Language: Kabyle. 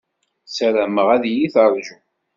Ssarameɣ ad iyi-teṛju.